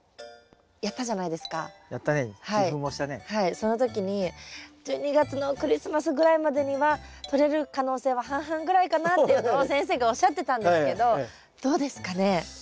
その時に１２月のクリスマスぐらいまでにはとれる可能性は半々ぐらいかなっていうのを先生がおっしゃってたんですけどどうですかね？